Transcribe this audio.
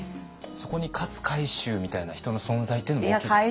そこに勝海舟みたいな人の存在っていうのも大きいですよね。